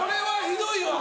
ひどいわ。